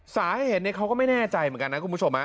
สาเหตุเขาก็ไม่แน่ใจเหมือนกันนะคุณผู้ชม